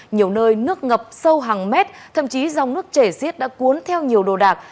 nhiều nơi nước ngập sâu hàng mét thậm chí dòng nước chảy xiết đã cuốn theo nhiều đồ đạc